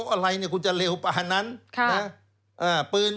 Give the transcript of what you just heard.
อะไรคุณจะเลวป่านนั้น